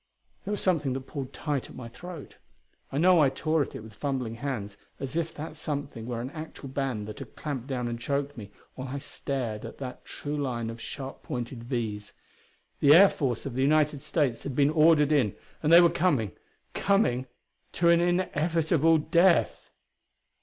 There was something that pulled tight at my throat; I know I tore at it with fumbling hands, as if that something were an actual band that had clamped down and choked me, while I stared at that true line of sharp pointed V's. The air force of the United States had been ordered in; and they were coming, coming to an inevitable death!